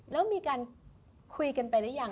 แล้วมีการคุยกันไปหรือยัง